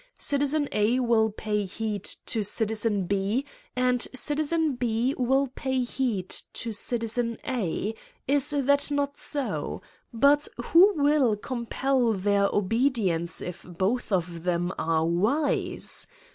Citizen A will pay heed to Citizen B and Citizen B will pay heed to Citizen A is that not so? But who will compel their obedience if both of them are wise?